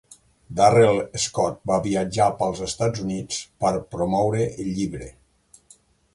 Darrell Scott va viatjar pels Estats Units per promoure el llibre.